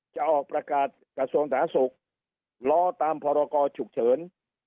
จะออกประกาศกระทรวงฐาศุกร์รอตามพรกฉุกเฉิน